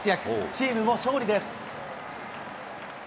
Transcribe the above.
チームも勝利です。